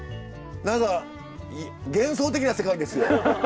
何か幻想的な世界ですよ。